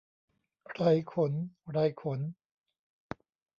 ไรขน ไรขน